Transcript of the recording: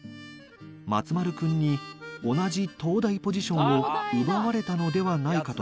「松丸くんに同じ東大ポジションを奪われたのではないかと」